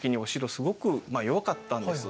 すごく弱かったんです。